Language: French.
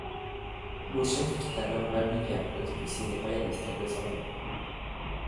Beauchef quitte alors Valdivia pour expulser les royalistes d'Osorno.